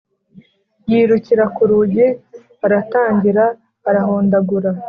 yirukira ku rugi aratangira arahondagura